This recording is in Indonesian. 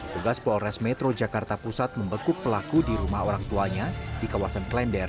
dia mengaku perbuatan itu